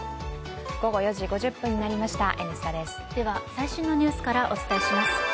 最新のニュースからお伝えします。